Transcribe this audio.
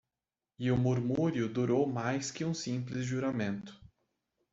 E o murmúrio durou mais que um simples juramento.